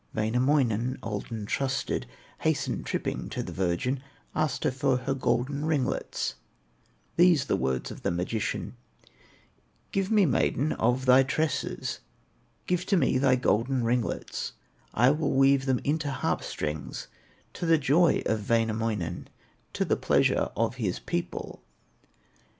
Wainamoinen, old and trusted, Hastened, tripping to the virgin, Asked her for her golden ringlets, These the words of the magician: "Give me, maiden, of thy tresses, Give to me thy golden ringlets; I will weave them into harp strings, To the joy of Wainamoinen, To the pleasure of his people."